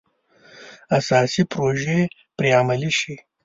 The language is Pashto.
اساسي پروژې پرې عملي شي.